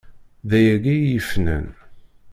D ayagi i yi-fnan!